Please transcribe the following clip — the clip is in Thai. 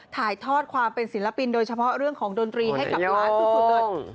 ถ่ายทอดความเป็นศิลปินโดยเฉพาะเรื่องของดนตรีให้กับล้านสุดเลย